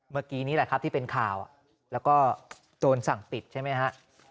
เมื่อกี้นี้แหละครับที่เป็นข่าวแล้วก็โจรสั่งปิดใช่ไหมฮะ